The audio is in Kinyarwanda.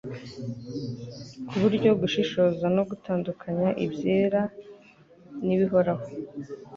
ku buryo gushishoza no gutandukanya ibyera n’ibihoraho